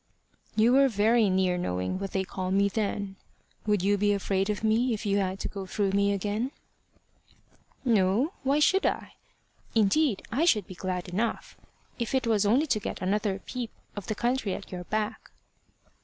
"You were very near knowing what they call me then. Would you be afraid of me if you had to go through me again?" "No. Why should I? Indeed I should be glad enough, if it was only to get another peep of the country at your back."